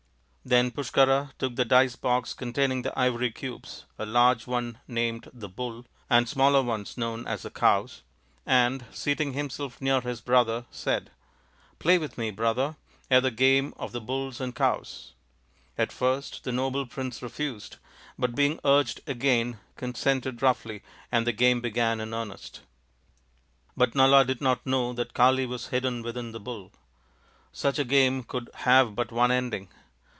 Then Pushkara took the dice box con taining the ivory cubes, a large one named the "Bull" and smaller ones known as the "Cows," and, seating himself near his brother, said, " Play with me, brother, at the game of the 'Bull and Cows. 5 " At first the noble prince refused, but being urged again consented roughly, and the game began in earnest. NALA THE GAMESTER 127 But Nala did not know that Kali was hidden within the " Bull "! Such a game could have but one ending